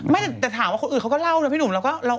แต่ถามคนอื่นก็เล่านะพี่หนุ่มเราก็เล่า